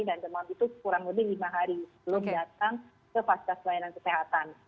dan demam itu kurang lebih lima hari sebelum datang ke fasitas pelayanan kesehatan